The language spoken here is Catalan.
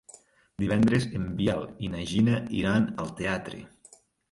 Divendres en Biel i na Gina iran al teatre.